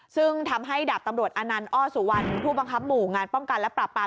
ซึ่งทำให้ดาบตำรวจอนันต์อ้อสุวรรณผู้บังคับหมู่งานป้องกันและปราบปราม